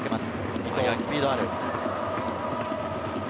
伊東はスピードがある。